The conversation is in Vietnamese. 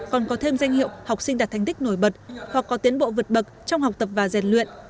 còn có thêm danh hiệu học sinh đạt thành tích nổi bật hoặc có tiến bộ vượt bậc trong học tập và giàn luyện